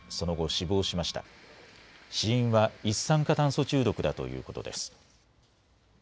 死因は一酸化炭素中毒だということです。